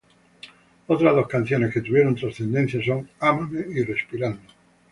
Otras dos canciones que tuvieron trascendencia son "Ámame" y "Respirando".